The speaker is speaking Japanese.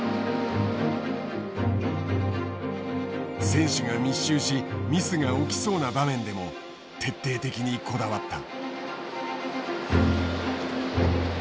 選手が密集しミスが起きそうな場面でも徹底的にこだわった。